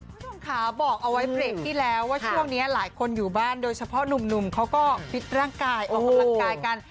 คุณผู้ชมค่ะบอกเอาไว้เบรกที่แล้วว่าช่วงนี้หลายคนอยู่บ้านโดยเฉพาะหนุ่มเขาก็ฟิตร่างกายออกกำลังกายกัน